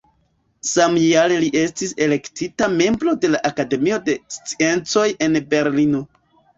Samjare li estis elektita membro de la Akademio de Sciencoj en Berlino.